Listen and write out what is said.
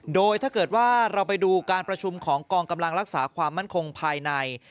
โดยถ้าเกิดว่าเราไปดูการประชุมของกองกำลังรักษาความมั่นคงภายใน